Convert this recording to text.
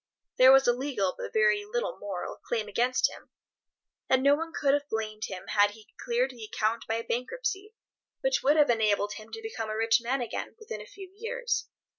There was a legal, but very little moral, claim against him, and no one could have blamed him had he cleared the account by a bankruptcy, which would have enabled him to become a rich man again within a few years.